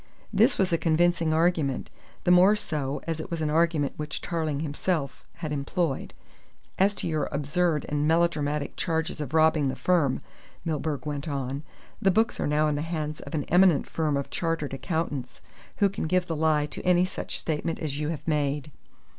This was a convincing argument the more so as it was an argument which Tarling himself had employed. "As to your absurd and melodramatic charges of robbing the firm," Milburgh went on, "the books are now in the hands of an eminent firm of chartered accountants, who can give the lie to any such statement as you have made."